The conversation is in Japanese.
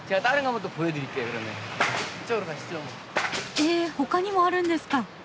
えほかにもあるんですか！